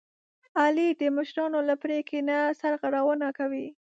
علي د مشرانو له پرېکړې نه سرغړونه کوي.